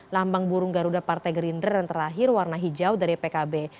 lambang burung garuda partai gerindra dan terakhir warna hijau dari pkb